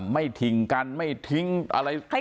ไม่ทิ้งกันไม่ทิ้งอะไร